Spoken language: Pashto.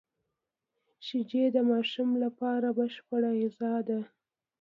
شیدې د ماشوم لپاره بشپړه غذا ده